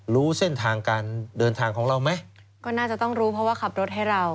รู้เส้นทางการเดินทางของเราไหมก็น่าจะต้องรู้เพราะว่าขับรถให้เรา